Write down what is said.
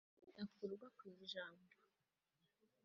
ntabwo akurwa ku ijambo